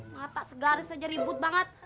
mata segaris aja ribut banget